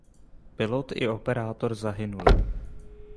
Pilot i operátor zahynuli.